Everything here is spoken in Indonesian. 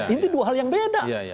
itu dua hal yang beda